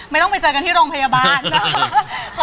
ไม่ต้องไปเจอกันที่โรงพยาบาล